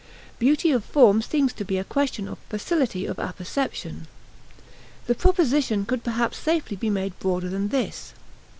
Beauty of form seems to be a question of facility of apperception. The proposition could perhaps safely be made broader than this.